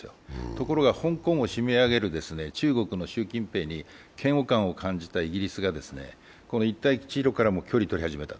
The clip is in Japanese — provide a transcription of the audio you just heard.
ところが香港を締め上げる中国の習近平に嫌悪感を感じたイギリスがこの一帯一路からも距離を取り始めた。